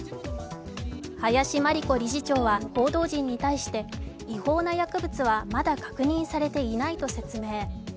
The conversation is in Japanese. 林真理子理事長は報道陣に対して違法な薬物はまだ確認されていないと説明。